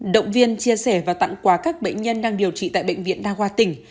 động viên chia sẻ và tặng quà các bệnh nhân đang điều trị tại bệnh viện đa khoa tỉnh